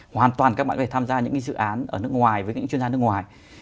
hoàn toàn các bạn phải tham gia những dự án ở nước ngoài với những chuyên gia nước ngoài